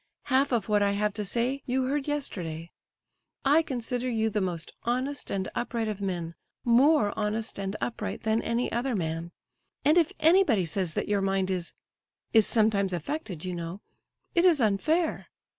Half of what I have to say you heard yesterday. I consider you the most honest and upright of men—more honest and upright than any other man; and if anybody says that your mind is—is sometimes affected, you know—it is unfair.